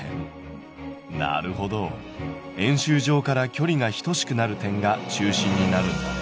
なるほど円周上から距離が等しくなる点が中心になるんだね。